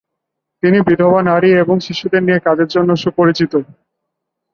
তিনি বিধবা নারী এবং শিশুদের নিয়ে কাজের জন্য সুপরিচিত।